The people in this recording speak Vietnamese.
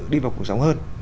đi vào cuộc sống hơn